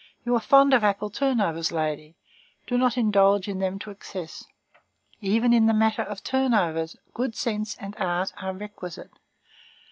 You are fond of apple turnovers, ladies; do not indulge in them to excess. Even in the matter of turnovers, good sense and art are requisite.